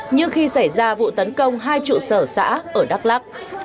như khi xảy ra vụ tấn công hai trụ sở xã ở đắk lắc